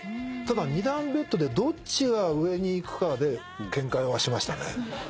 ただ２段ベッドでどっちが上に行くかでケンカはしましたね。